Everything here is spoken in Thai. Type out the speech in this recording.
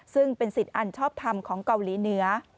ซึ่งเป็นสิทธิ์อันชอบทำของเกาหลีเหนือ